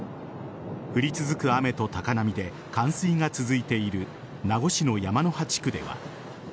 降り続く雨と高波で冠水が続いている名護市の山入端地区では。